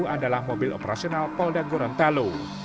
adalah mobil operasional polda gorontalo